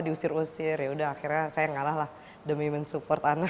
diusir usir ya sudah akhirnya saya kalah demi mensupport anak